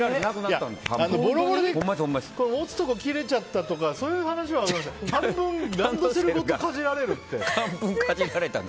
ボロボロで持つところが切れちゃったとかそういう話は聞くけど半分、ランドセルごとかじられるって。